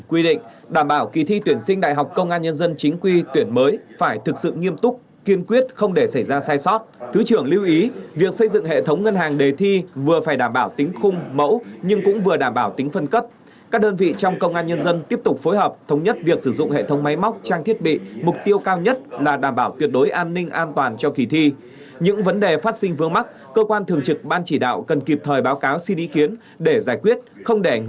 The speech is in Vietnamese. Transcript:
các đơn vị trong công an nhân dân chính quy tuyển mới phải thực sự nghiêm túc kiên quyết không để xảy ra sai sót thứ trưởng lưu ý việc xây dựng hệ thống ngân hàng đề thi vừa phải đảm bảo tính khung mẫu nhưng cũng vừa đảm bảo tính phân cấp các đơn vị trong công an nhân dân tiếp tục phối hợp thống nhất việc sử dụng hệ thống máy móc trang thiết bị mục tiêu cao nhất là đảm bảo tuyệt đối an ninh an toàn cho ký thi những vấn đề phát sinh vương mắc cơ quan thường trực ban chỉ đạo cần kịp thời báo cáo xin ý kiến để giải quyết không để ảnh h